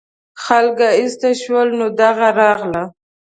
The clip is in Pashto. خلک ایسته شول نو دا راغله.